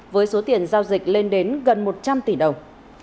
với số tiền giao dịch lên đến gần một trăm linh tỷ đồng